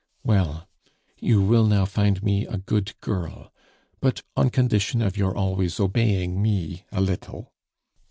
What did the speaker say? "Well, you will now find me a good girl, but on condition of your always obeying me a little.